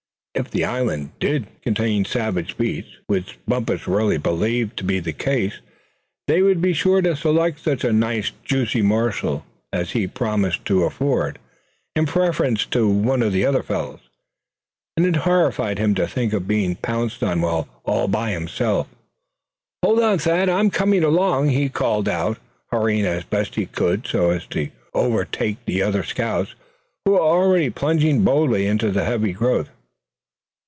If the island did contain savage beasts, which Bumpus really believed to be the case, they would be sure to select such a nice juicy morsel as he promised to afford, in preference to one of the other fellows. And it horrified him to think of being pounced on while all by himself. "Hold on, Thad, I'm coming along!" he called out, hurrying as best he could so as to overtake the other scouts, who were already plunging boldly into the heavy growth.